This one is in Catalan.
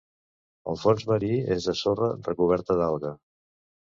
El fons marí és de sorra recoberta d'alga.